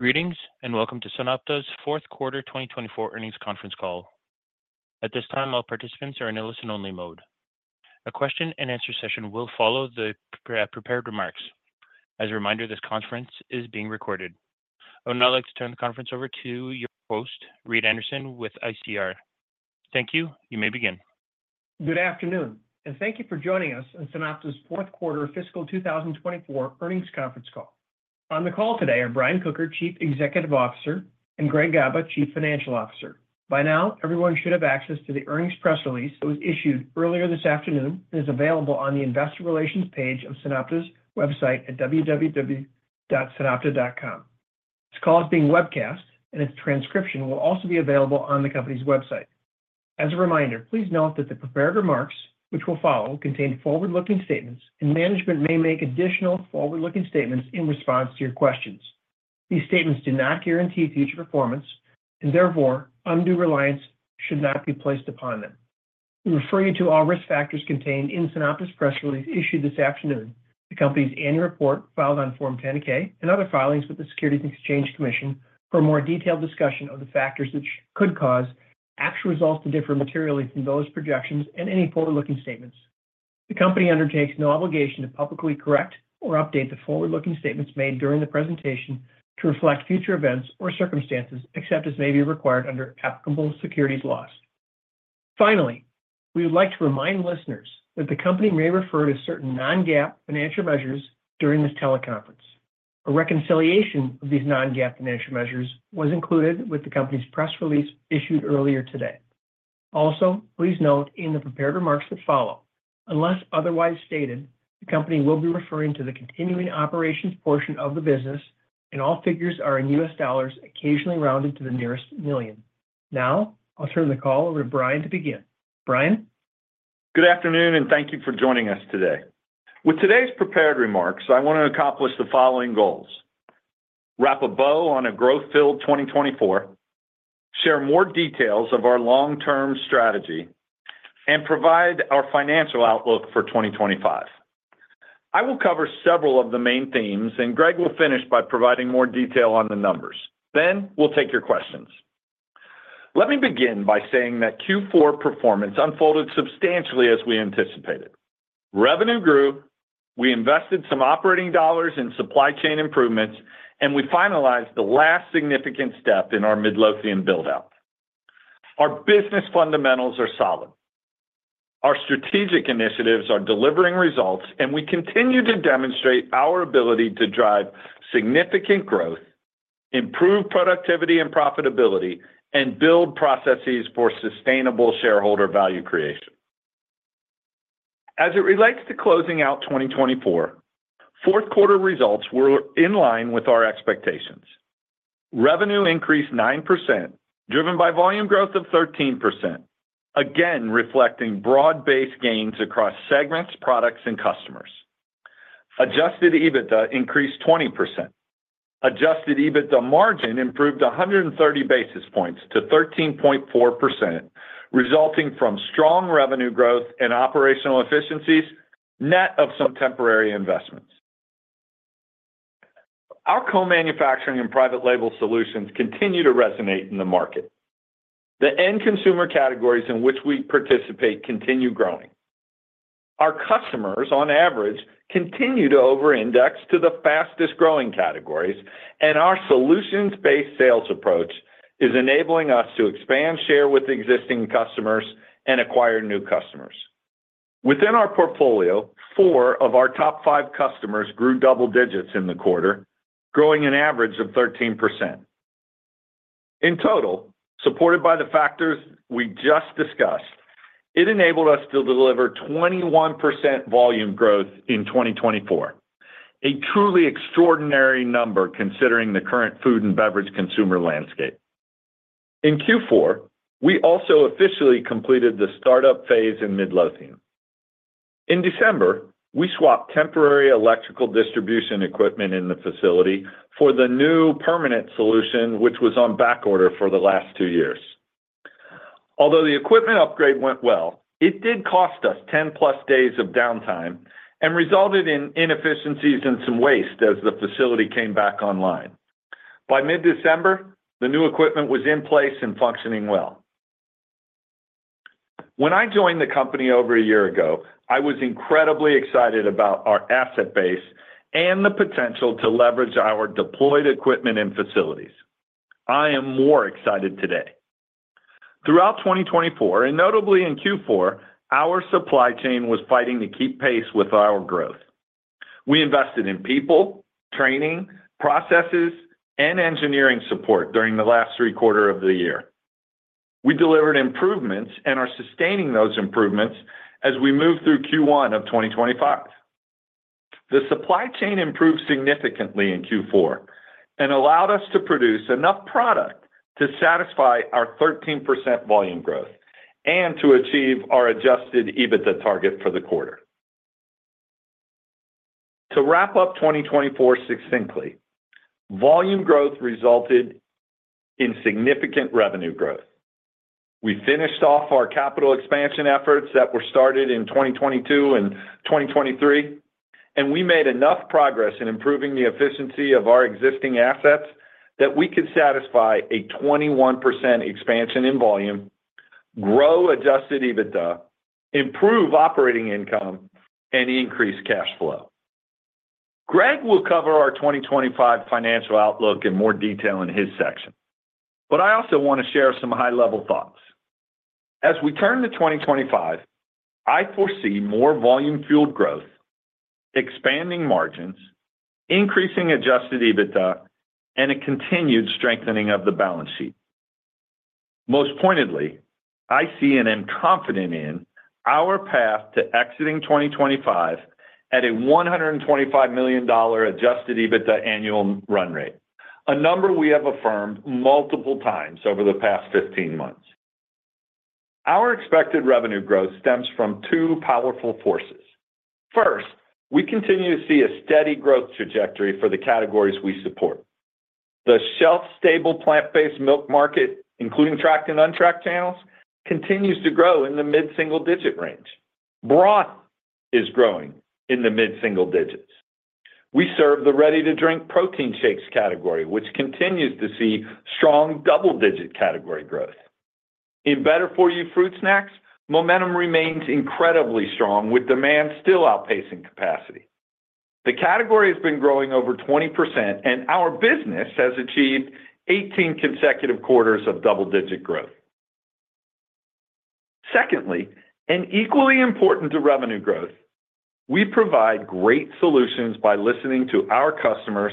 Greetings and welcome to SunOpta's fourth quarter 2024 earnings conference call. At this time, all participants are in a listen-only mode. A question-and-answer session will follow the prepared remarks. As a reminder, this conference is being recorded. I would now like to turn the conference over to your host, Reed Anderson, with ICR. Thank you. You may begin. Good afternoon, and thank you for joining us in SunOpta's fourth quarter fiscal 2024 earnings conference call. On the call today are Brian Kocher, Chief Executive Officer, and Greg Gaba, Chief Financial Officer. By now, everyone should have access to the earnings press release that was issued earlier this afternoon and is available on the investor relations page of SunOpta's website at www.sunopta.com. This call is being webcast, and its transcription will also be available on the company's website. As a reminder, please note that the prepared remarks, which will follow, contain forward-looking statements, and management may make additional forward-looking statements in response to your questions. These statements do not guarantee future performance, and therefore, undue reliance should not be placed upon them. We refer you to all risk factors contained in SunOpta's press release issued this afternoon, the company's annual report filed on Form 10-K, and other filings with the Securities and Exchange Commission for a more detailed discussion of the factors that could cause actual results to differ materially from those projections and any forward-looking statements. The company undertakes no obligation to publicly correct or update the forward-looking statements made during the presentation to reflect future events or circumstances except as may be required under applicable securities laws. Finally, we would like to remind listeners that the company may refer to certain non-GAAP financial measures during this teleconference. A reconciliation of these non-GAAP financial measures was included with the company's press release issued earlier today. Also, please note in the prepared remarks that follow, unless otherwise stated, the company will be referring to the continuing operations portion of the business, and all figures are in U.S. dollars occasionally rounded to the nearest million. Now, I'll turn the call over to Brian to begin. Brian. Good afternoon, and thank you for joining us today. With today's prepared remarks, I want to accomplish the following goals: wrap a bow on a growth-filled 2024, share more details of our long-term strategy, and provide our financial outlook for 2025. I will cover several of the main themes, and Greg will finish by providing more detail on the numbers. Then we'll take your questions. Let me begin by saying that Q4 performance unfolded substantially as we anticipated. Revenue grew. We invested some operating dollars in supply chain improvements, and we finalized the last significant step in our Midlothian buildout. Our business fundamentals are solid. Our strategic initiatives are delivering results, and we continue to demonstrate our ability to drive significant growth, improve productivity and profitability, and build processes for sustainable shareholder value creation. As it relates to closing out 2024, fourth quarter results were in line with our expectations. Revenue increased 9%, driven by volume growth of 13%, again reflecting broad-based gains across segments, products, and customers. Adjusted EBITDA increased 20%. Adjusted EBITDA margin improved 130 basis points to 13.4%, resulting from strong revenue growth and operational efficiencies net of some temporary investments. Our co-manufacturing and private label solutions continue to resonate in the market. The end consumer categories in which we participate continue growing. Our customers, on average, continue to over-index to the fastest-growing categories, and our solutions-based sales approach is enabling us to expand share with existing customers and acquire new customers. Within our portfolio, four of our top five customers grew double digits in the quarter, growing an average of 13%. In total, supported by the factors we just discussed, it enabled us to deliver 21% volume growth in 2024, a truly extraordinary number considering the current food and beverage consumer landscape. In Q4, we also officially completed the startup phase in Midlothian. In December, we swapped temporary electrical distribution equipment in the facility for the new permanent solution, which was on back order for the last two years. Although the equipment upgrade went well, it did cost us 10-plus days of downtime and resulted in inefficiencies and some waste as the facility came back online. By mid-December, the new equipment was in place and functioning well. When I joined the company over a year ago, I was incredibly excited about our asset base and the potential to leverage our deployed equipment and facilities. I am more excited today. Throughout 2024, and notably in Q4, our supply chain was fighting to keep pace with our growth. We invested in people, training, processes, and engineering support during the last three quarters of the year. We delivered improvements and are sustaining those improvements as we move through Q1 of 2025. The supply chain improved significantly in Q4 and allowed us to produce enough product to satisfy our 13% volume growth and to achieve our Adjusted EBITDA target for the quarter. To wrap up 2024 succinctly, volume growth resulted in significant revenue growth. We finished off our capital expansion efforts that were started in 2022 and 2023, and we made enough progress in improving the efficiency of our existing assets that we could satisfy a 21% expansion in volume, grow Adjusted EBITDA, improve operating income, and increase cash flow. Greg will cover our 2025 financial outlook in more detail in his section, but I also want to share some high-level thoughts. As we turn to 2025, I foresee more volume-fueled growth, expanding margins, increasing Adjusted EBITDA, and a continued strengthening of the balance sheet. Most pointedly, I see and am confident in our path to exiting 2025 at a $125 million Adjusted EBITDA annual run rate, a number we have affirmed multiple times over the past 15 months. Our expected revenue growth stems from two powerful forces. First, we continue to see a steady growth trajectory for the categories we support. The shelf-stable plant-based milk market, including tracked and untracked channels, continues to grow in the mid-single-digit range. Broth is growing in the mid-single digits. We serve the ready-to-drink protein shakes category, which continues to see strong double-digit category growth. In better-for-you fruit snacks, momentum remains incredibly strong, with demand still outpacing capacity. The category has been growing over 20%, and our business has achieved 18 consecutive quarters of double-digit growth. Secondly, and equally important to revenue growth, we provide great solutions by listening to our customers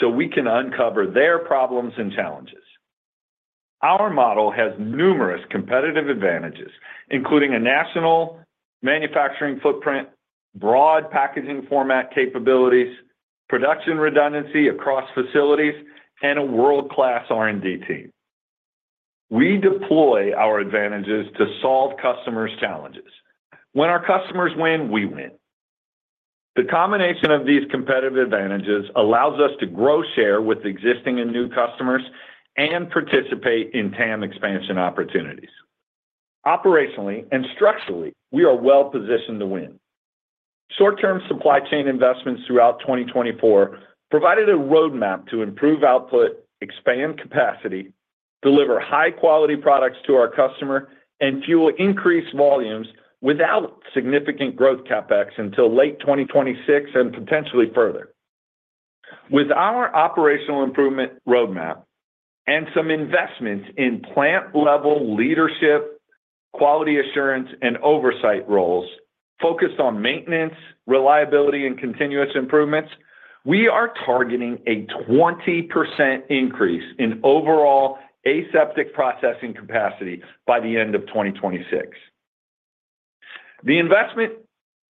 so we can uncover their problems and challenges. Our model has numerous competitive advantages, including a national manufacturing footprint, broad packaging format capabilities, production redundancy across facilities, and a world-class R&D team. We deploy our advantages to solve customers' challenges. When our customers win, we win. The combination of these competitive advantages allows us to grow share with existing and new customers and participate in TAM expansion opportunities. Operationally and structurally, we are well-positioned to win. Short-term supply chain investments throughout 2024 provided a roadmap to improve output, expand capacity, deliver high-quality products to our customer, and fuel increased volumes without significant Growth CapEx until late 2026 and potentially further. With our operational improvement roadmap and some investments in plant-level leadership, quality assurance, and oversight roles focused on maintenance, reliability, and continuous improvements, we are targeting a 20% increase in overall aseptic processing capacity by the end of 2026. The investment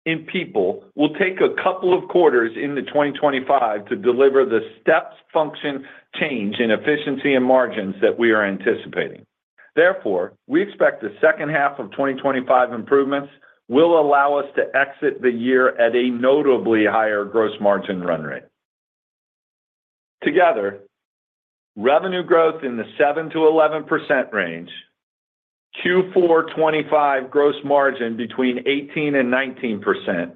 in people will take a couple of quarters in 2025 to deliver the step function change in efficiency and margins that we are anticipating. Therefore, we expect the second half of 2025 improvements will allow us to exit the year at a notably higher gross margin run rate. Together, revenue growth in the 7%-11% range, Q4 2025 gross margin between 18%-19%,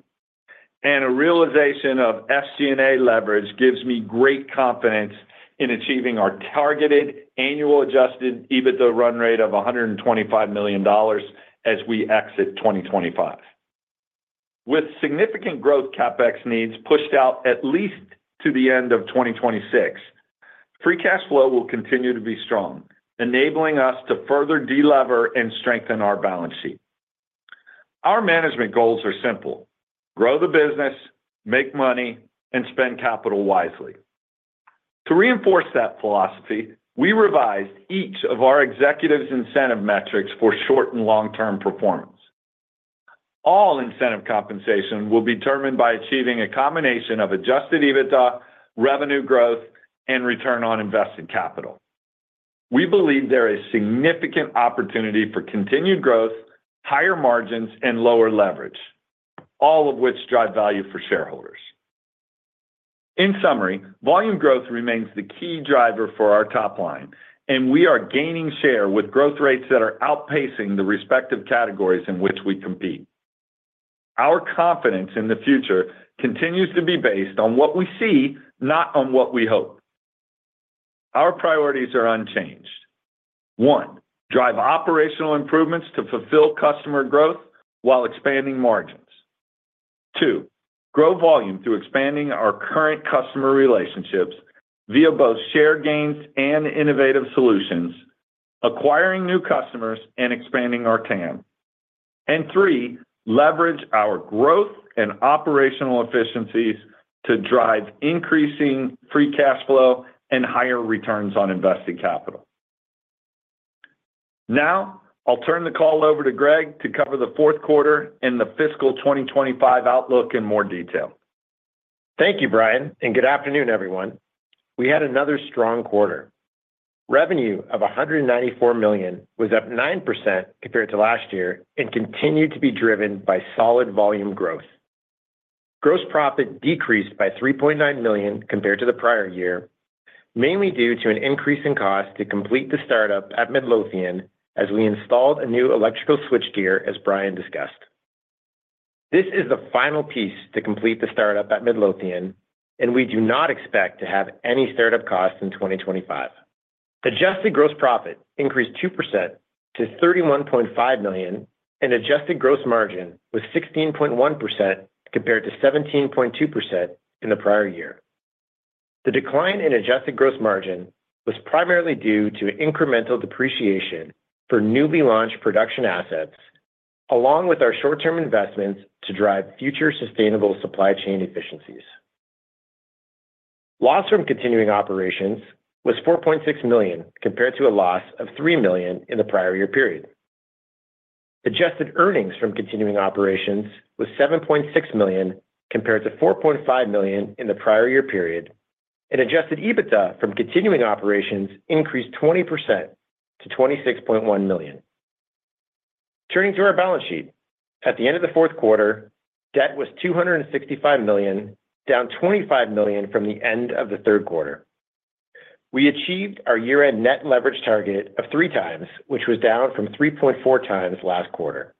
and a realization of SG&A leverage gives me great confidence in achieving our targeted annual Adjusted EBITDA run rate of $125 million as we exit 2025. With significant Growth CapEx needs pushed out at least to the end of 2026, free cash flow will continue to be strong, enabling us to further delever and strengthen our balance sheet. Our management goals are simple: grow the business, make money, and spend capital wisely. To reinforce that philosophy, we revised each of our executives' incentive metrics for short and long-term performance. All incentive compensation will be determined by achieving a combination of Adjusted EBITDA, revenue growth, and return on invested capital. We believe there is significant opportunity for continued growth, higher margins, and lower leverage, all of which drive value for shareholders. In summary, volume growth remains the key driver for our top line, and we are gaining share with growth rates that are outpacing the respective categories in which we compete. Our confidence in the future continues to be based on what we see, not on what we hope. Our priorities are unchanged. One, drive operational improvements to fulfill customer growth while expanding margins. Two, grow volume through expanding our current customer relationships via both share gains and innovative solutions, acquiring new customers and expanding our TAM. And three, leverage our growth and operational efficiencies to drive increasing free cash flow and higher returns on invested capital. Now, I'll turn the call over to Greg to cover the fourth quarter and the fiscal 2025 outlook in more detail. Thank you, Brian, and good afternoon, everyone. We had another strong quarter. Revenue of $194 million was up 9% compared to last year and continued to be driven by solid volume growth. Gross profit decreased by $3.9 million compared to the prior year, mainly due to an increase in cost to complete the startup at Midlothian as we installed a new electrical switchgear, as Brian discussed. This is the final piece to complete the startup at Midlothian, and we do not expect to have any startup costs in 2025. Adjusted gross profit increased 2% to $31.5 million, and adjusted gross margin was 16.1% compared to 17.2% in the prior year. The decline in adjusted gross margin was primarily due to incremental depreciation for newly launched production assets, along with our short-term investments to drive future sustainable supply chain efficiencies. Loss from continuing operations was $4.6 million compared to a loss of $3 million in the prior year period. Adjusted earnings from continuing operations was $7.6 million compared to $4.5 million in the prior year period, and adjusted EBITDA from continuing operations increased 20% to $26.1 million. Turning to our balance sheet, at the end of the fourth quarter, debt was $265 million, down $25 million from the end of the third quarter. We achieved our year-end net leverage target of three times, which was down from 3.4 times last quarter.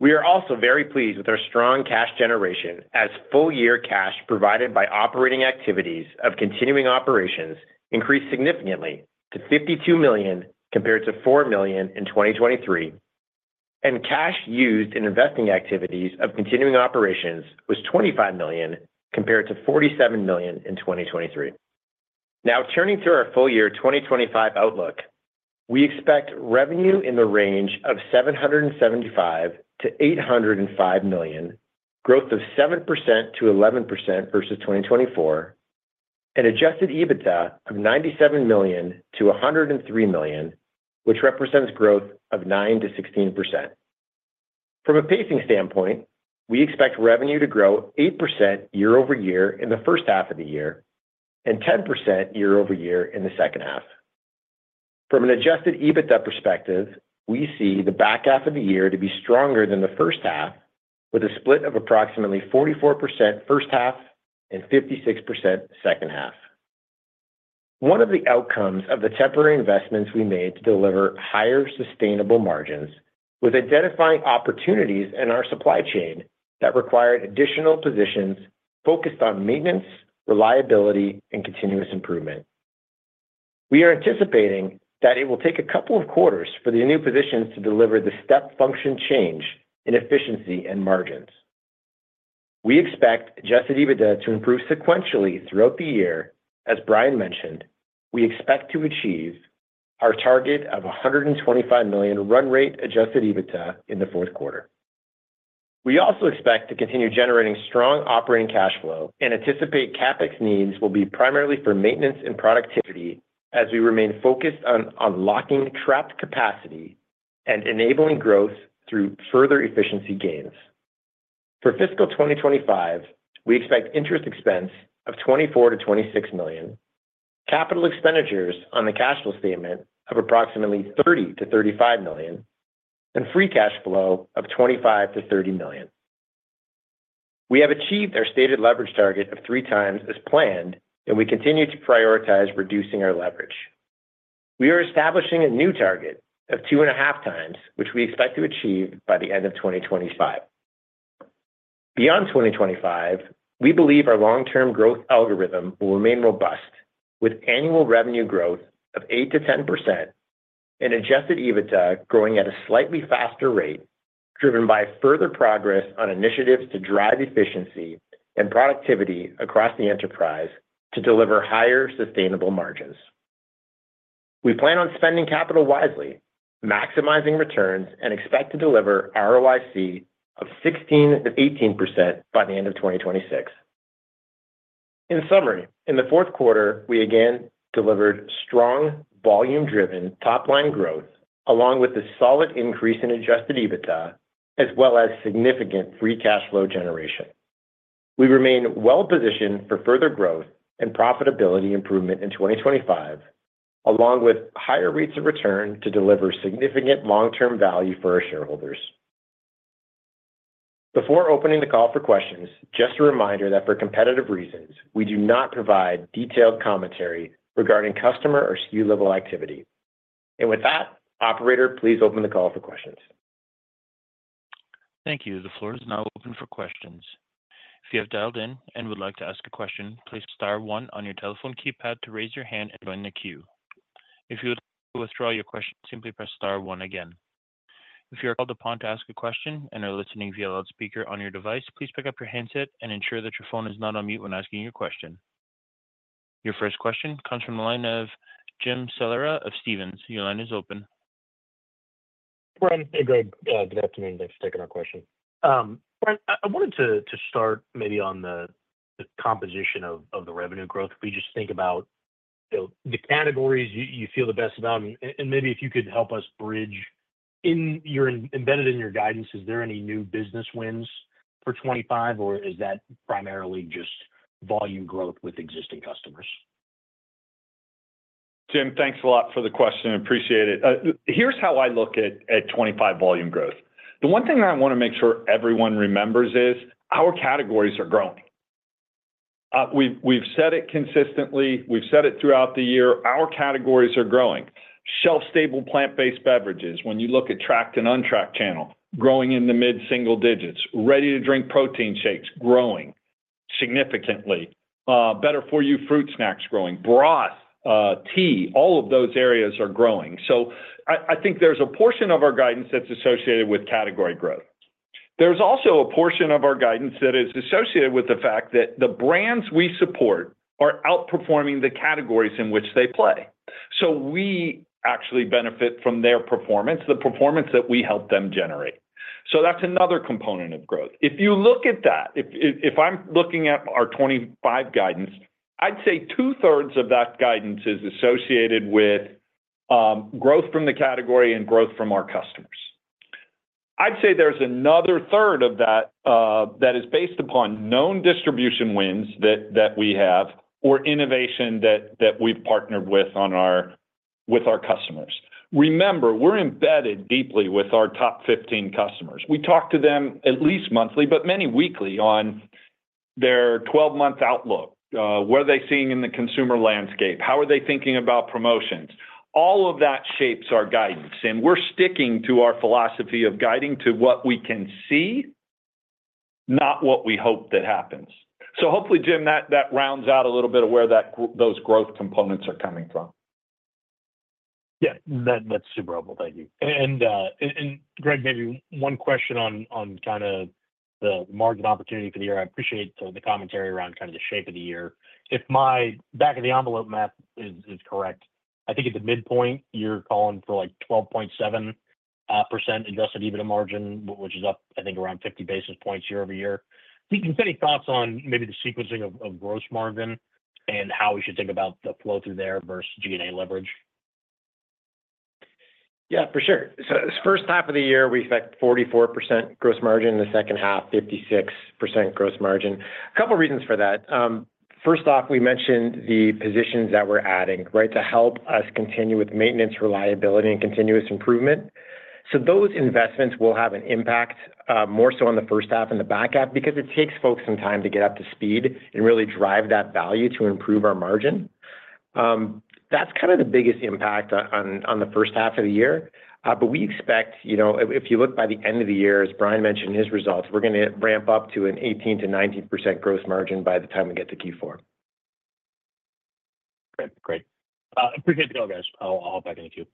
We are also very pleased with our strong cash generation as full-year cash provided by operating activities of continuing operations increased significantly to $52 million compared to $4 million in 2023, and cash used in investing activities of continuing operations was $25 million compared to $47 million in 2023. Now, turning to our full-year 2025 outlook, we expect revenue in the range of $775 million-$805 million, growth of 7%-11% versus 2024, and Adjusted EBITDA of $97 million-$103 million, which represents growth of 9%-16%. From a pacing standpoint, we expect revenue to grow 8% year over year in the first half of the year and 10% year over year in the second half. From an Adjusted EBITDA perspective, we see the back half of the year to be stronger than the first half, with a split of approximately 44% first half and 56% second half. One of the outcomes of the temporary investments we made to deliver higher sustainable margins was identifying opportunities in our supply chain that required additional positions focused on maintenance, reliability, and continuous improvement. We are anticipating that it will take a couple of quarters for the new positions to deliver the step function change in efficiency and margins. We expect Adjusted EBITDA to improve sequentially throughout the year. As Brian mentioned, we expect to achieve our target of $125 million run rate Adjusted EBITDA in the fourth quarter. We also expect to continue generating strong operating cash flow and anticipate CapEx needs will be primarily for maintenance and productivity as we remain focused on unlocking trapped capacity and enabling growth through further efficiency gains. For fiscal 2025, we expect interest expense of $24 million-$26 million, capital expenditures on the cash flow statement of approximately $30 million-$35 million, and free cash flow of $25 million-$30 million. We have achieved our stated leverage target of three times as planned, and we continue to prioritize reducing our leverage. We are establishing a new target of two and a half times, which we expect to achieve by the end of 2025. Beyond 2025, we believe our long-term growth algorithm will remain robust, with annual revenue growth of 8%-10% and Adjusted EBITDA growing at a slightly faster rate, driven by further progress on initiatives to drive efficiency and productivity across the enterprise to deliver higher sustainable margins. We plan on spending capital wisely, maximizing returns, and expect to deliver ROIC of 16%-18% by the end of 2026. In summary, in the fourth quarter, we again delivered strong volume-driven top-line growth, along with a solid increase in Adjusted EBITDA, as well as significant free cash flow generation. We remain well-positioned for further growth and profitability improvement in 2025, along with higher rates of return to deliver significant long-term value for our shareholders. Before opening the call for questions, just a reminder that for competitive reasons, we do not provide detailed commentary regarding customer or SKU-level activity. And with that, operator, please open the call for questions. Thank you. The floor is now open for questions. If you have dialed in and would like to ask a question, please press star one on your telephone keypad to raise your hand and join the queue. If you would like to withdraw your question, simply press star one again. If you are called upon to ask a question and are listening via loudspeaker on your device, please pick up your handset and ensure that your phone is not on mute when asking your question. Your first question comes from the line of Jim Salera of Stephens. Your line is open. Brian, hey, good afternoon. Thanks for taking our question. Brian, I wanted to start maybe on the composition of the revenue growth. If we just think about the categories you feel the best about, and maybe if you could help us bridge, embedded in your guidance, is there any new business wins for '25, or is that primarily just volume growth with existing customers? Jim, thanks a lot for the question. Appreciate it. Here's how I look at '25 volume growth. The one thing I want to make sure everyone remembers is our categories are growing. We've said it consistently. We've said it throughout the year. Our categories are growing. Shelf-stable plant-based beverages, when you look at tracked and untracked channels, growing in the mid-single digits. Ready-to-drink protein shakes growing significantly. Better-for-you fruit snacks growing. Broth, tea, all of those areas are growing. So I think there's a portion of our guidance that's associated with category growth. There's also a portion of our guidance that is associated with the fact that the brands we support are outperforming the categories in which they play. So we actually benefit from their performance, the performance that we help them generate. So that's another component of growth. If you look at that, if I'm looking at our 2025 guidance, I'd say two-thirds of that guidance is associated with growth from the category and growth from our customers. I'd say there's another third of that that is based upon known distribution wins that we have or innovation that we've partnered with our customers. Remember, we're embedded deeply with our top 15 customers. We talk to them at least monthly, but many weekly on their 12-month outlook. What are they seeing in the consumer landscape? How are they thinking about promotions? All of that shapes our guidance. We're sticking to our philosophy of guiding to what we can see, not what we hope that happens. Hopefully, Jim, that rounds out a little bit of where those growth components are coming from. Yeah. That's super helpful. Thank you. Greg, maybe one question on kind of the market opportunity for the year. I appreciate the commentary around kind of the shape of the year. If my back-of-the-envelope math is correct, I think at the midpoint, you're calling for like 12.7% adjusted EBITDA margin, which is up, I think, around 50 basis points year over year. Can you give me any thoughts on maybe the sequencing of gross margin and how we should think about the flow through there versus G&A leverage? Yeah, for sure. First half of the year, we expect 44% gross margin. The second half, 56% gross margin. A couple of reasons for that. First off, we mentioned the positions that we're adding, right, to help us continue with maintenance, reliability, and continuous improvement. So those investments will have an impact more so on the first half and the back half because it takes folks some time to get up to speed and really drive that value to improve our margin. That's kind of the biggest impact on the first half of the year. But we expect, if you look by the end of the year, as Brian mentioned in his results, we're going to ramp up to an 18%-19% gross margin by the time we get to Q4. Great. Great. Appreciate the call, guys. I'll hop back in the queue.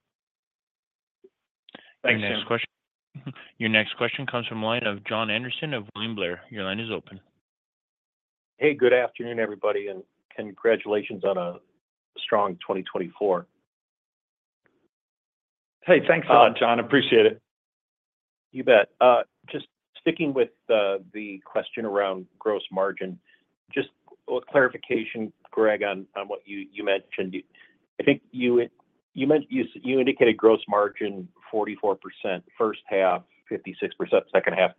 Thanks. Your next question comes from the line of Jon Andersen of William Blair. Your line is open. Hey, good afternoon, everybody, and congratulations on a strong 2024. Hey, thanks a lot, Jon. Appreciate it. You bet. Just sticking with the question around gross margin, just a clarification, Greg, on what you mentioned. I think you indicated gross margin 44%, first half, 56%, second half.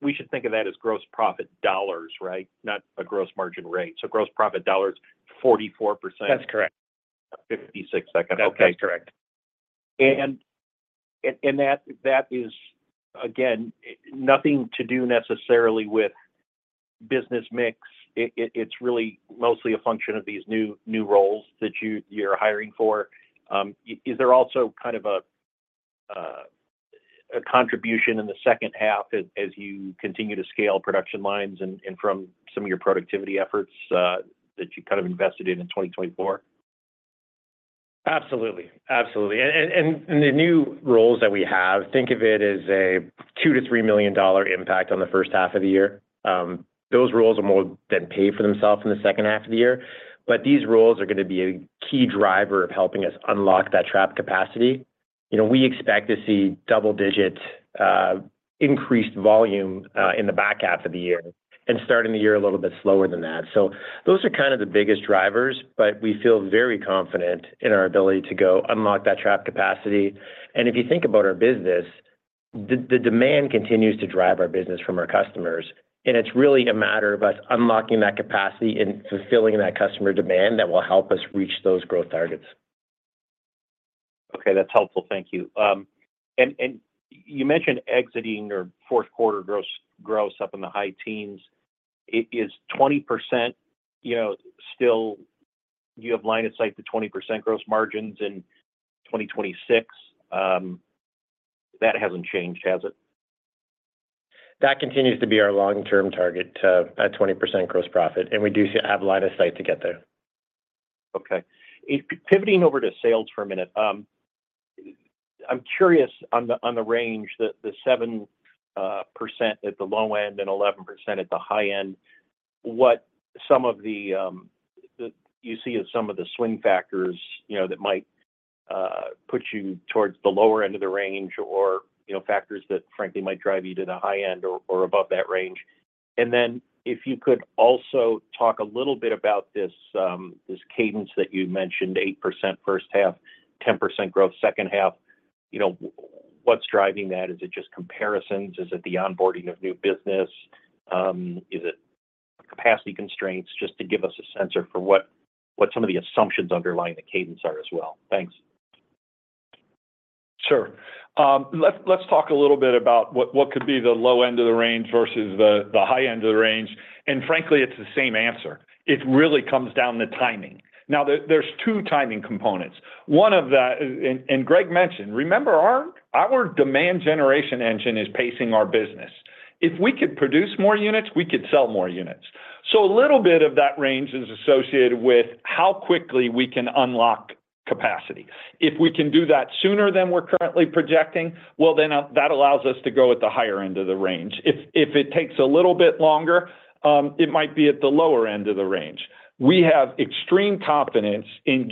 We should think of that as gross profit dollars, right, not a gross margin rate. So gross profit dollars, 44%. That's correct. 56 second. Okay. That's correct. And that is, again, nothing to do necessarily with business mix. It's really mostly a function of these new roles that you're hiring for. Is there also kind of a contribution in the second half as you continue to scale production lines and from some of your productivity efforts that you kind of invested in in 2024? Absolutely. Absolutely. The new roles that we have, think of it as a $2 million-$3 million impact on the first half of the year. Those roles are more than paid for themselves in the second half of the year. But these roles are going to be a key driver of helping us unlock that trapped capacity. We expect to see double-digit increased volume in the back half of the year and starting the year a little bit slower than that. So those are kind of the biggest drivers, but we feel very confident in our ability to go unlock that trapped capacity. And if you think about our business, the demand continues to drive our business from our customers. And it's really a matter of us unlocking that capacity and fulfilling that customer demand that will help us reach those growth targets. Okay. That's helpful. Thank you. You mentioned exiting your fourth quarter gross up in the high teens. Is 20% still you have line of sight to 20% gross margins in 2026? That hasn't changed, has it? That continues to be our long-term target to 20% gross profit. And we do have line of sight to get there. Okay. Pivoting over to sales for a minute. I'm curious on the range, the 7% at the low end and 11% at the high end, what you see as some of the swing factors that might put you towards the lower end of the range or factors that, frankly, might drive you to the high end or above that range. And then if you could also talk a little bit about this cadence that you mentioned, 8% first half, 10% growth second half, what's driving that? Is it just comparisons? Is it the onboarding of new business? Is it capacity constraints? Just to give us a sense of what some of the assumptions underlying the cadence are as well. Thanks. Sure. Let's talk a little bit about what could be the low end of the range versus the high end of the range, and frankly, it's the same answer. It really comes down to timing. Now, there's two timing components. One of that, and Greg mentioned, remember, our demand generation engine is pacing our business. If we could produce more units, we could sell more units. So a little bit of that range is associated with how quickly we can unlock capacity. If we can do that sooner than we're currently projecting, well, then that allows us to go at the higher end of the range. If it takes a little bit longer, it might be at the lower end of the range. We have extreme confidence in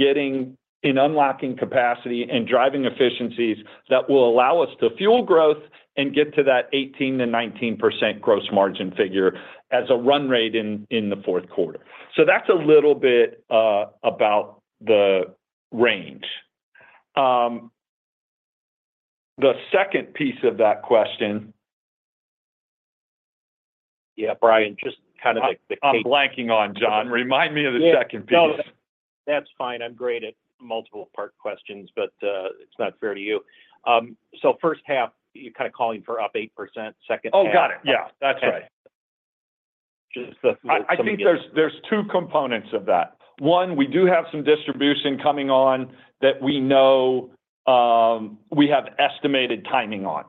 unlocking capacity and driving efficiencies that will allow us to fuel growth and get to that 18%-19% gross margin figure as a run rate in the fourth quarter, so that's a little bit about the range. The second piece of that question. Yeah, Brian, I'm blanking on, Jon. Remind me of the second piece. That's fine. I'm great at multiple-part questions, but it's not fair to you, so first half, you're kind of calling for up 8%, second half. Oh, got it. Yeah. That's right. I think there's two components of that. One, we do have some distribution coming on that we know we have estimated timing on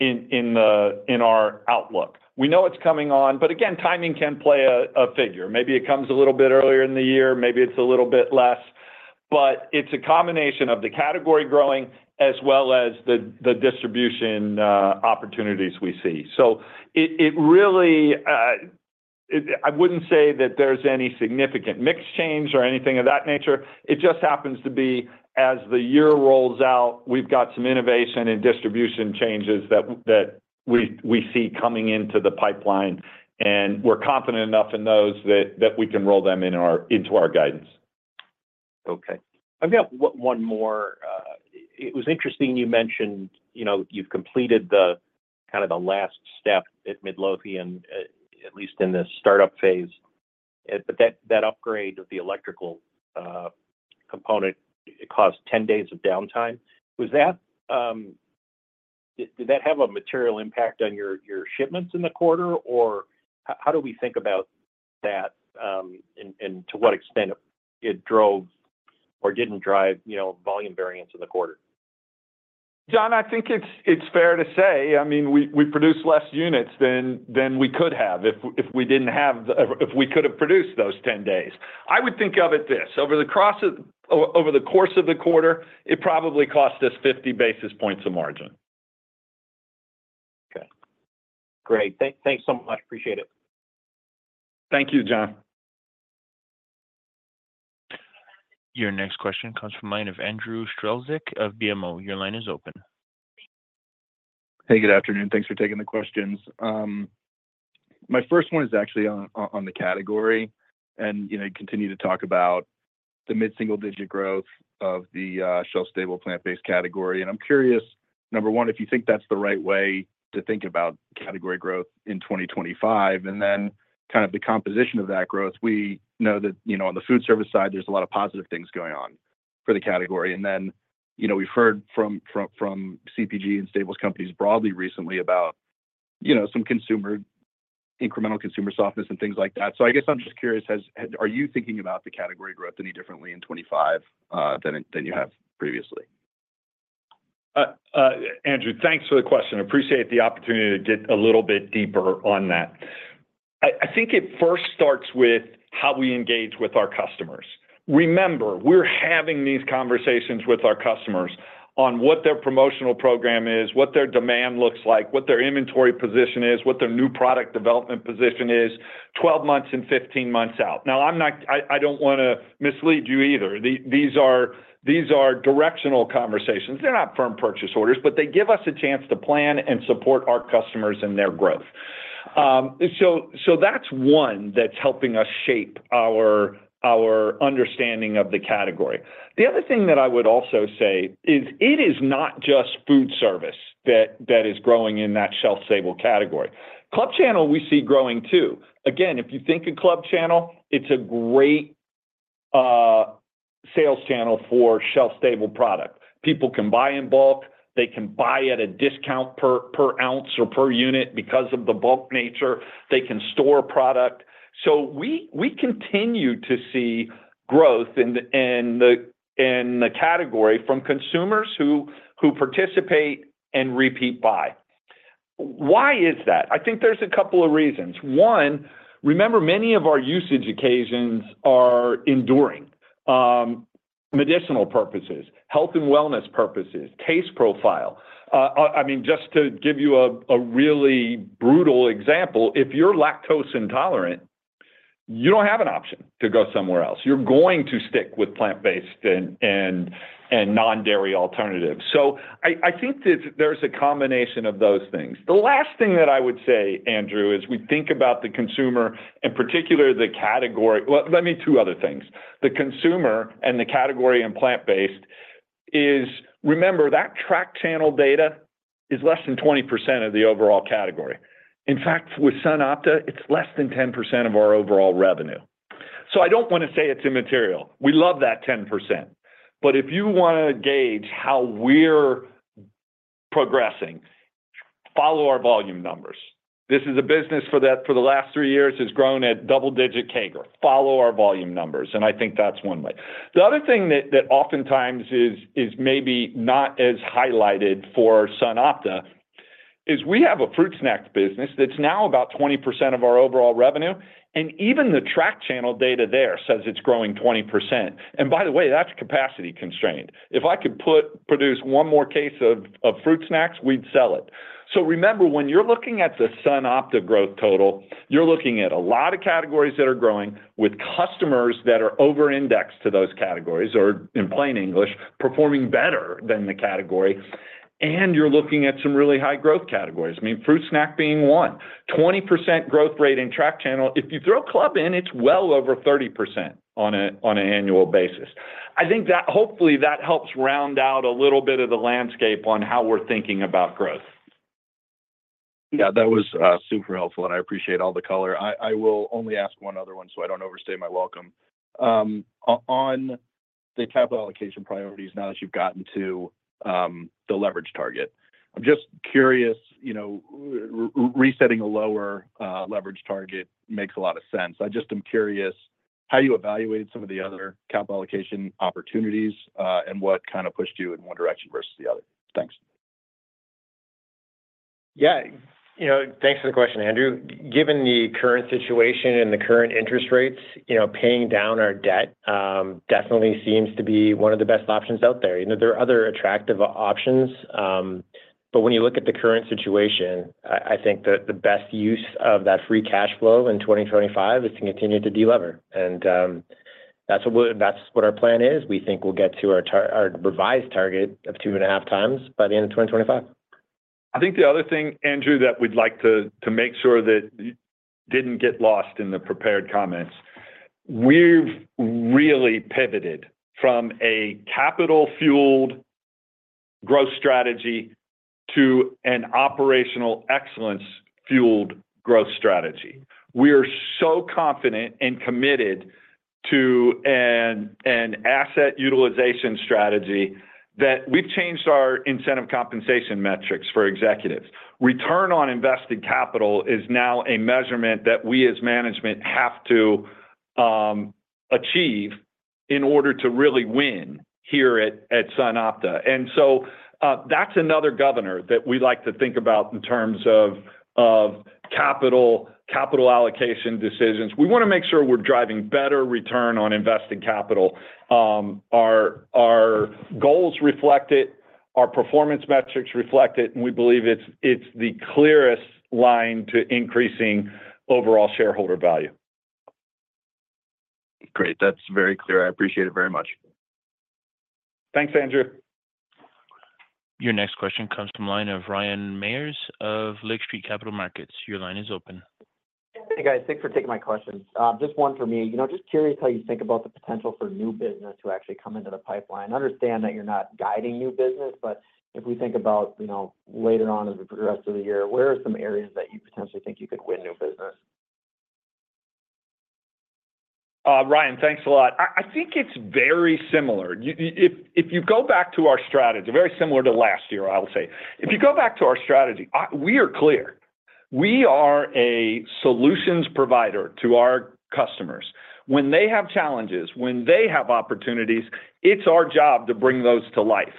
in our outlook. We know it's coming on, but again, timing can play a factor. Maybe it comes a little bit earlier in the year. Maybe it's a little bit less. But it's a combination of the category growing as well as the distribution opportunities we see. So I wouldn't say that there's any significant mix change or anything of that nature. It just happens to be as the year rolls out, we've got some innovation and distribution changes that we see coming into the pipeline. And we're confident enough in those that we can roll them into our guidance. Okay. I've got one more. It was interesting you mentioned you've completed kind of the last step at Midlothian, at least in the startup phase. But that upgrade of the electrical component caused 10 days of downtime. Did that have a material impact on your shipments in the quarter? Or how do we think about that? And to what extent it drove or didn't drive volume variance in the quarter? Jon, I think it's fair to say. I mean, we produced less units than we could have if we could have produced those 10 days. I would think of it this. Over the course of the quarter, it probably cost us 50 basis points of margin. Okay. Great. Thanks so much. Appreciate it. Thank you, Jon. Your next question comes from the line of Andrew Strelzik of BMO. Your line is open. Hey, good afternoon. Thanks for taking the questions. My first one is actually on the category. You continue to talk about the mid-single digit growth of the shelf-stable plant-based category. I'm curious, number one, if you think that's the right way to think about category growth in 2025. And then kind of the composition of that growth. We know that on the food service side, there's a lot of positive things going on for the category. And then we've heard from CPG and staples companies broadly recently about some incremental consumer softness and things like that. So I guess I'm just curious, are you thinking about the category growth any differently in 2025 than you have previously? Andrew, thanks for the question. Appreciate the opportunity to get a little bit deeper on that. I think it first starts with how we engage with our customers. Remember, we're having these conversations with our customers on what their promotional program is, what their demand looks like, what their inventory position is, what their new product development position is 12 months and 15 months out. Now, I don't want to mislead you either. These are directional conversations. They're not firm purchase orders, but they give us a chance to plan and support our customers and their growth. So that's one that's helping us shape our understanding of the category. The other thing that I would also say is it is not just food service that is growing in that shelf-stable category. Club channel, we see growing too. Again, if you think of club channel, it's a great sales channel for shelf-stable product. People can buy in bulk. They can buy at a discount per ounce or per unit because of the bulk nature. They can store product. So we continue to see growth in the category from consumers who participate and repeat buy. Why is that? I think there's a couple of reasons. One, remember, many of our usage occasions are enduring medicinal purposes, health and wellness purposes, taste profile. I mean, just to give you a really brutal example, if you're lactose intolerant, you don't have an option to go somewhere else. You're going to stick with plant-based and non-dairy alternatives. So I think there's a combination of those things. The last thing that I would say, Andrew, is we think about the consumer and particularly the category. Well, let me add two other things. The consumer and the category and plant-based is, remember, that tracked channel data is less than 20% of the overall category. In fact, with SunOpta, it's less than 10% of our overall revenue. So I don't want to say it's immaterial. We love that 10%. But if you want to gauge how we're progressing, follow our volume numbers. This is a business for the last three years has grown at double-digit CAGR. Follow our volume numbers. And I think that's one way. The other thing that oftentimes is maybe not as highlighted for SunOpta is we have a fruit snack business that's now about 20% of our overall revenue, and even the track channel data there says it's growing 20%, and by the way, that's capacity constrained. If I could produce one more case of fruit snacks, we'd sell it, so remember, when you're looking at the SunOpta growth total, you're looking at a lot of categories that are growing with customers that are over-indexed to those categories or, in plain English, performing better than the category, and you're looking at some really high growth categories. I mean, fruit snack being one. 20% growth rate in track channel. If you throw Club in, it's well over 30% on an annual basis. I think that hopefully that helps round out a little bit of the landscape on how we're thinking about growth. Yeah, that was super helpful. And I appreciate all the color. I will only ask one other one so I don't overstay my welcome. On the capital allocation priorities, now that you've gotten to the leverage target, I'm just curious, resetting a lower leverage target makes a lot of sense. I just am curious how you evaluate some of the other capital allocation opportunities and what kind of pushed you in one direction versus the other. Thanks. Yeah. Thanks for the question, Andrew. Given the current situation and the current interest rates, paying down our debt definitely seems to be one of the best options out there. There are other attractive options. But when you look at the current situation, I think the best use of that free cash flow in 2025 is to continue to delever, and that's what our plan is. We think we'll get to our revised target of two and a half times by the end of 2025. I think the other thing, Andrew, that we'd like to make sure that didn't get lost in the prepared comments. We've really pivoted from a capital-fueled growth strategy to an operational excellence-fueled growth strategy. We are so confident and committed to an asset utilization strategy that we've changed our incentive compensation metrics for executives. Return on invested capital is now a measurement that we as management have to achieve in order to really win here at SunOpta. And so that's another governor that we like to think about in terms of capital allocation decisions. We want to make sure we're driving better return on invested capital. Our goals reflect it. Our performance metrics reflect it. And we believe it's the clearest line to increasing overall shareholder value. Great. That's very clear. I appreciate it very much. Thanks, Andrew. Your next question comes from the line of Ryan Meyers of Lake Street Capital Markets. Your line is open. Hey, guys. Thanks for taking my questions. Just one for me. Just curious how you think about the potential for new business to actually come into the pipeline. I understand that you're not guiding new business, but if we think about later on as we progress through the year, where are some areas that you potentially think you could win new business? Ryan, thanks a lot. I think it's very similar. If you go back to our strategy, very similar to last year, I'll say. If you go back to our strategy, we are clear. We are a solutions provider to our customers. When they have challenges, when they have opportunities, it's our job to bring those to life.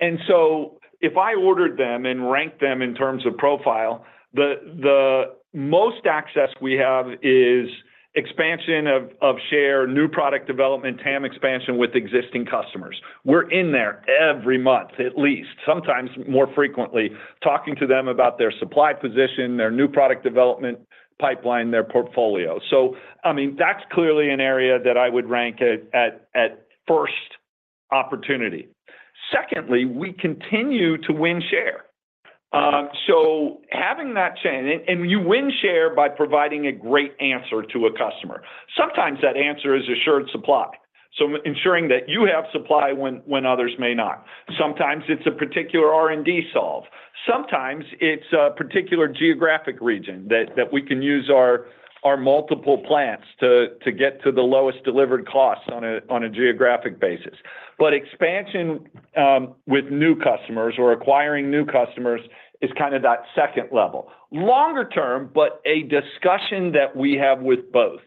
And so if I ordered them and ranked them in terms of profile, the most access we have is expansion of share, new product development, TAM expansion with existing customers. We're in there every month, at least, sometimes more frequently, talking to them about their supply position, their new product development pipeline, their portfolio. So, I mean, that's clearly an area that I would rank at first opportunity. Secondly, we continue to win share. So having that chance, and you win share by providing a great answer to a customer. Sometimes that answer is assured supply. So ensuring that you have supply when others may not. Sometimes it's a particular R&D solve. Sometimes it's a particular geographic region that we can use our multiple plants to get to the lowest delivered cost on a geographic basis. But expansion with new customers or acquiring new customers is kind of that second level. Longer term, but a discussion that we have with both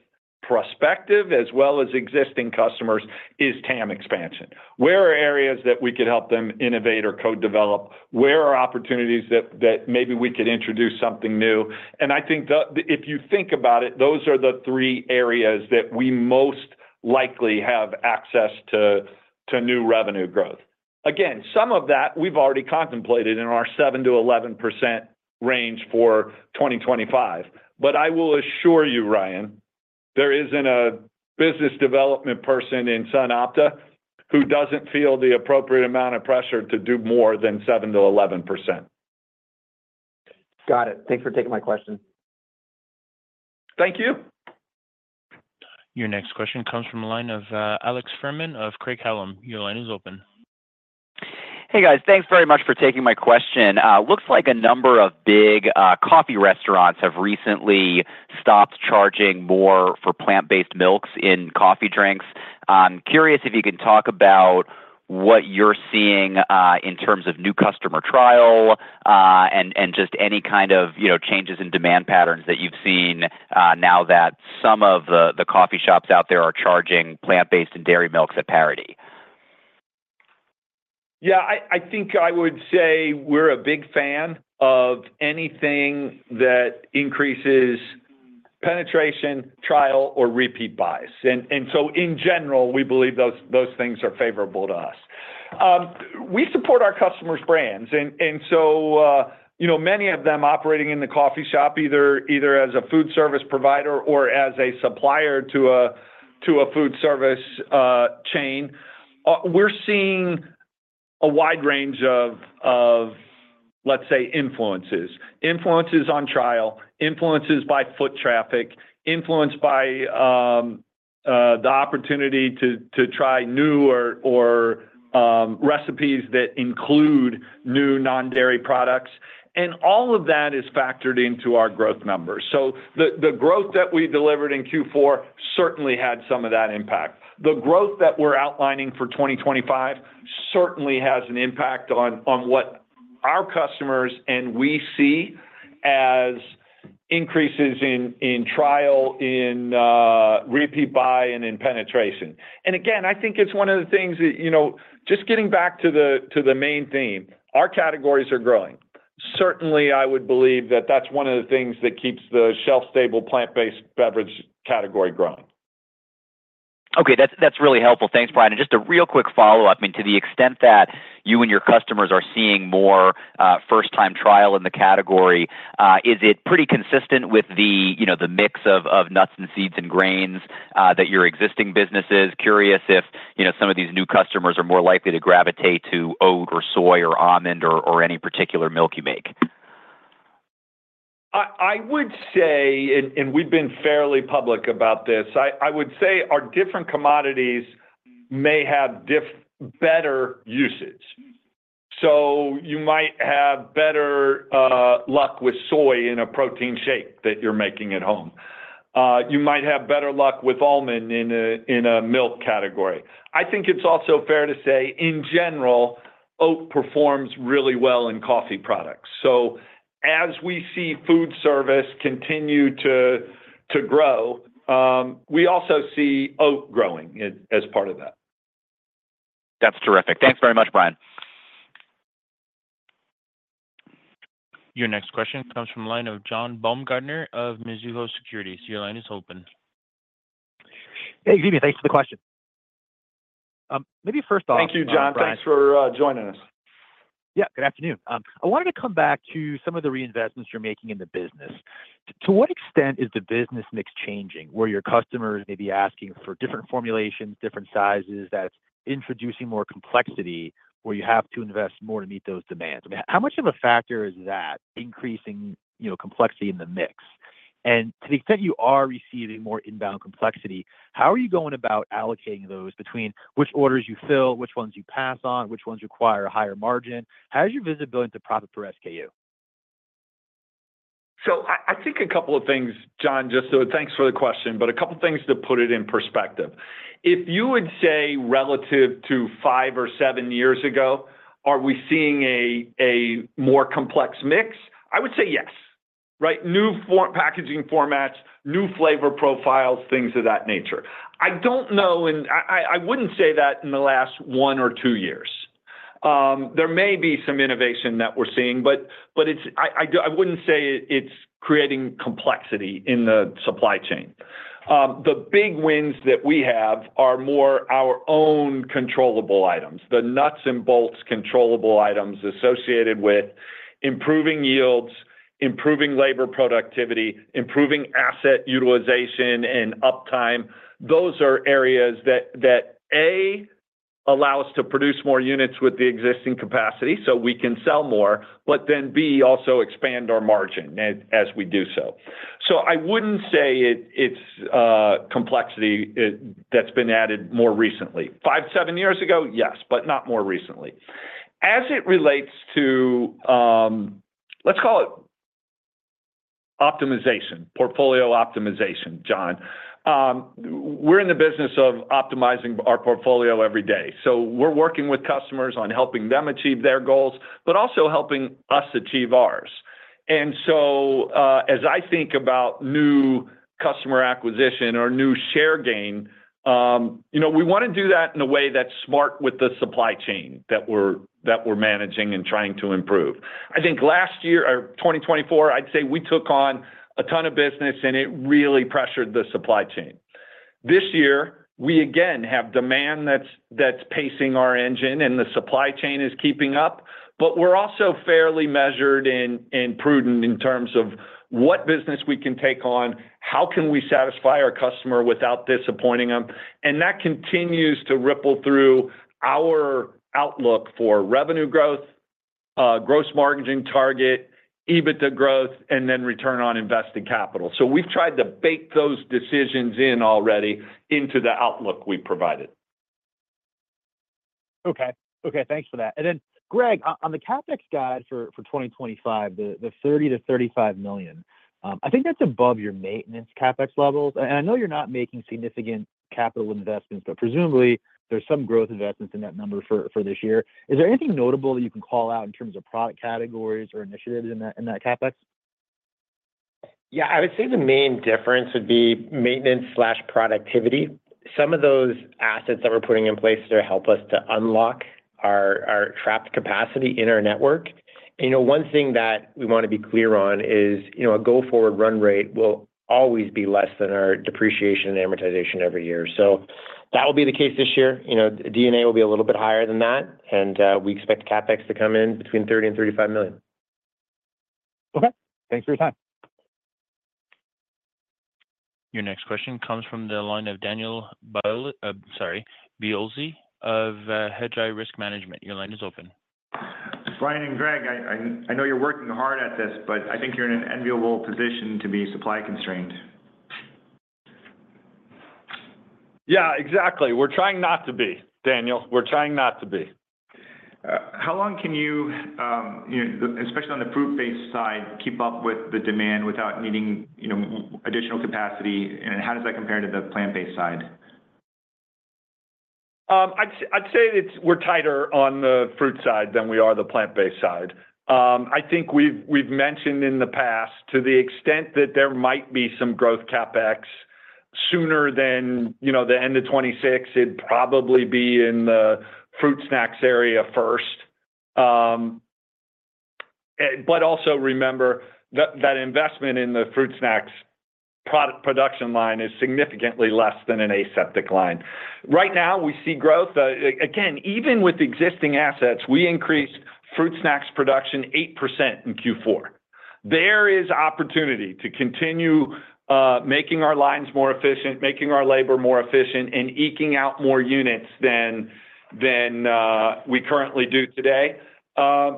prospective as well as existing customers is TAM expansion. Where are areas that we could help them innovate or co-develop? Where are opportunities that maybe we could introduce something new? And I think if you think about it, those are the three areas that we most likely have access to new revenue growth. Again, some of that we've already contemplated in our 7%-11% range for 2025. But I will assure you, Ryan, there isn't a business development person in SunOpta who doesn't feel the appropriate amount of pressure to do more than 7%-11%. Got it. Thanks for taking my question. Thank you. Your next question comes from the line of Alex Fuhrman of Craig-Hallum. Your line is open. Hey, guys. Thanks very much for taking my question. Looks like a number of big coffee restaurants have recently stopped charging more for plant-based milks in coffee drinks. I'm curious if you can talk about what you're seeing in terms of new customer trial and just any kind of changes in demand patterns that you've seen now that some of the coffee shops out there are charging plant-based and dairy milks at parity. Yeah. I think I would say we're a big fan of anything that increases penetration, trial, or repeat buys. And so, in general, we believe those things are favorable to us. We support our customers' brands. And so many of them operating in the coffee shop either as a food service provider or as a supplier to a food service chain. We're seeing a wide range of, let's say, influences. Influences on trial, influences by foot traffic, influence by the opportunity to try new or recipes that include new non-dairy products. And all of that is factored into our growth numbers. So the growth that we delivered in Q4 certainly had some of that impact. The growth that we're outlining for 2025 certainly has an impact on what our customers and we see as increases in trial, in repeat buy, and in penetration. And again, I think it's one of the things that just getting back to the main theme, our categories are growing. Certainly, I would believe that that's one of the things that keeps the shelf-stable plant-based beverage category growing. Okay. That's really helpful. Thanks, Brian. And just a real quick follow-up. I mean, to the extent that you and your customers are seeing more first-time trial in the category, is it pretty consistent with the mix of nuts and seeds and grains that your existing business is? Curious if some of these new customers are more likely to gravitate to oat or soy or almond or any particular milk you make. I would say, and we've been fairly public about this, I would say our different commodities may have better usage. So you might have better luck with soy in a protein shake that you're making at home. You might have better luck with almond in a milk category. I think it's also fair to say, in general, oat performs really well in coffee products. So as we see food service continue to grow, we also see oat growing as part of that. That's terrific. Thanks very much, Brian. Your next question comes from the line of Jon Baumgartner of Mizuho Securities. Your line is open. Hey, excuse me. Thanks for the question. Maybe first off, Brian. Thank you, Jon. Thanks for joining us. Yeah. Good afternoon. I wanted to come back to some of the reinvestments you're making in the business. To what extent is the business mix changing where your customers may be asking for different formulations, different sizes that's introducing more complexity where you have to invest more to meet those demands? I mean, how much of a factor is that increasing complexity in the mix? And to the extent you are receiving more inbound complexity, how are you going about allocating those between which orders you fill, which ones you pass on, which ones require a higher margin? How's your visibility to profit per SKU? So I think a couple of things, Jon, just so thanks for the question, but a couple of things to put it in perspective. If you would say relative to five or seven years ago, are we seeing a more complex mix? I would say yes. Right? New packaging formats, new flavor profiles, things of that nature. I don't know, and I wouldn't say that in the last one or two years. There may be some innovation that we're seeing, but I wouldn't say it's creating complexity in the supply chain. The big wins that we have are more our own controllable items, the nuts and bolts controllable items associated with improving yields, improving labor productivity, improving asset utilization, and uptime. Those are areas that, A, allow us to produce more units with the existing capacity so we can sell more, but then, B, also expand our margin as we do so. So I wouldn't say it's complexity that's been added more recently. Five, seven years ago, yes, but not more recently. As it relates to, let's call it optimization, portfolio optimization, Jon, we're in the business of optimizing our portfolio every day. So we're working with customers on helping them achieve their goals, but also helping us achieve ours, and so as I think about new customer acquisition or new share gain, we want to do that in a way that's smart with the supply chain that we're managing and trying to improve. I think last year or 2024, I'd say we took on a ton of business, and it really pressured the supply chain. This year, we again have demand that's pacing our engine, and the supply chain is keeping up, but we're also fairly measured and prudent in terms of what business we can take on, how can we satisfy our customer without disappointing them, and that continues to ripple through our outlook for revenue growth, gross margin target, EBITDA growth, and then return on invested capital. So we've tried to bake those decisions in already into the outlook we provided. Okay. Okay. Thanks for that. And then, Greg, on the CapEx guide for 2025, the $30 million-$35 million, I think that's above your maintenance CapEx levels. And I know you're not making significant capital investments, but presumably there's some growth investments in that number for this year. Is there anything notable that you can call out in terms of product categories or initiatives in that CapEx? Yeah. I would say the main difference would be maintenance/productivity. Some of those assets that we're putting in place to help us to unlock our trapped capacity in our network. One thing that we want to be clear on is a go-forward run rate will always be less than our depreciation and amortization every year. So that will be the case this year. D&A will be a little bit higher than that, and we expect CapEx to come in between $30 million and $35 million. Okay. Thanks for your time. Your next question comes from the line of Daniel Biolsi of Hedgeye Risk Management. Your line is open. Brian and Greg, I know you're working hard at this, but I think you're in an enviable position to be supply constrained. Yeah. Exactly. We're trying not to be, Daniel. We're trying not to be. How long can you, especially on the fruit-based side, keep up with the demand without needing additional capacity? And how does that compare to the plant-based side? I'd say we're tighter on the fruit side than we are the plant-based side. I think we've mentioned in the past, to the extent that there might be some Growth CapEx sooner than the end of 2026, it'd probably be in the fruit snacks area first. But also remember that investment in the fruit snacks product production line is significantly less than an aseptic line. Right now, we see growth. Again, even with existing assets, we increased fruit snacks production 8% in Q4. There is opportunity to continue making our lines more efficient, making our labor more efficient, and eking out more units than we currently do today.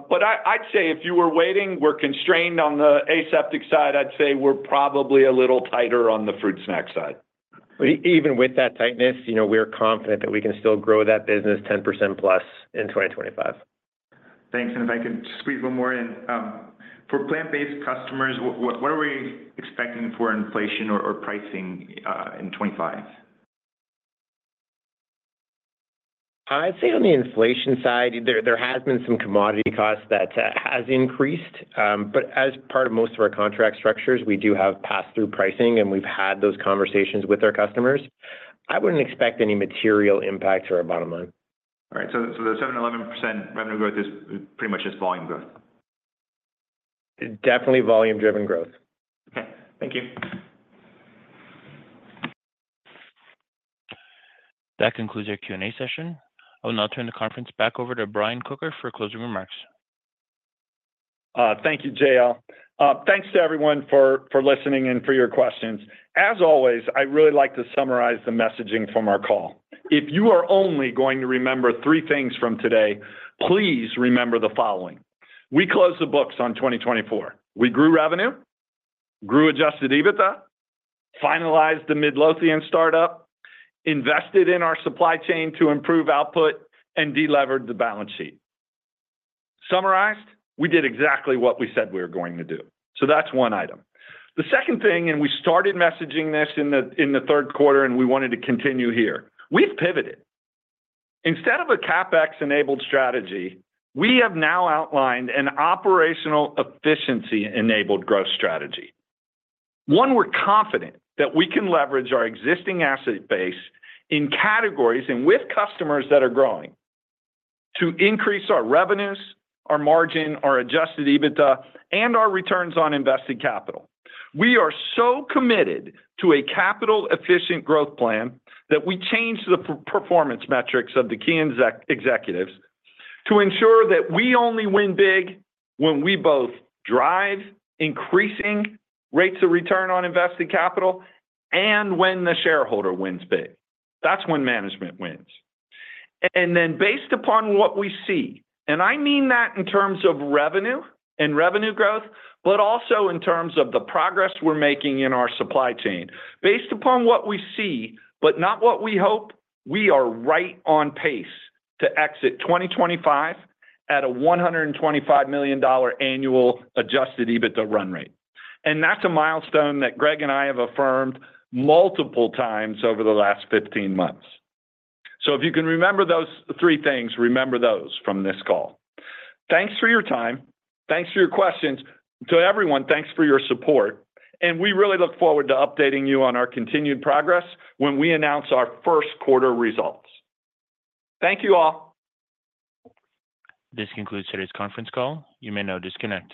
But I'd say if you were waiting, we're constrained on the aseptic side. I'd say we're probably a little tighter on the fruit snack side. Even with that tightness, we're confident that we can still grow that business 10%+ in 2025. Thanks. And if I can squeeze one more in, for plant-based customers, what are we expecting for inflation or pricing in 2025? I'd say on the inflation side, there has been some commodity costs that have increased. But as part of most of our contract structures, we do have pass-through pricing, and we've had those conversations with our customers. I wouldn't expect any material impact to our bottom line. All right. So the 7%-11% revenue growth is pretty much just volume growth? Definitely volume-driven growth. Okay. Thank you. That concludes our Q&A session. I will now turn the conference back over to Brian Kocher for closing remarks. Thank you, JL. Thanks to everyone for listening and for your questions. As always, I really like to summarize the messaging from our call. If you are only going to remember three things from today, please remember the following. We closed the books on 2024. We grew revenue, grew Adjusted EBITDA, finalized the Midlothian startup, invested in our supply chain to improve output, and delevered the balance sheet. Summarized, we did exactly what we said we were going to do. So that's one item. The second thing, and we started messaging this in the third quarter, and we wanted to continue here. We've pivoted. Instead of a CapEx-enabled strategy, we have now outlined an operational efficiency-enabled growth strategy. One, we're confident that we can leverage our existing asset base in categories and with customers that are growing to increase our revenues, our margin, our Adjusted EBITDA, and our returns on invested capital. We are so committed to a capital-efficient growth plan that we changed the performance metrics of the key executives to ensure that we only win big when we both drive increasing rates of return on invested capital and when the shareholder wins big. That's when management wins. And then based upon what we see, and I mean that in terms of revenue and revenue growth, but also in terms of the progress we're making in our supply chain, based upon what we see, but not what we hope, we are right on pace to exit 2025 at a $125 million annual Adjusted EBITDA run rate. And that's a milestone that Greg and I have affirmed multiple times over the last 15 months. So if you can remember those three things, remember those from this call. Thanks for your time. Thanks for your questions. To everyone, thanks for your support. And we really look forward to updating you on our continued progress when we announce our first quarter results. Thank you all. This concludes today's conference call. You may now disconnect.